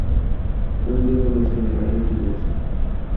Fue enviado a los generales de Jackson.